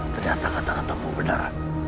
ternyata kata kata mu benar